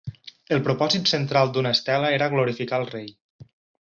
El propòsit central d'una estela era glorificar el rei.